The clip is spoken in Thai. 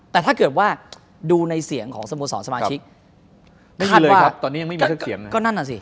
แต่ถ้าเกิดว่าดูในเสียงของสมสอสสมาชิกคาดว่าก็นั่นน่ะสิ